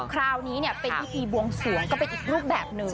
คราวนี้เป็นพิธีบวงสวงก็เป็นอีกรูปแบบหนึ่ง